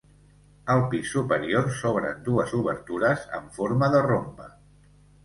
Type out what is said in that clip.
Al pis superior s'obren dues obertures en forma de rombe.